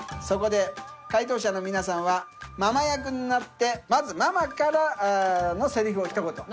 そこで回答者の皆さんはママ役になってまずママからのセリフをひと言。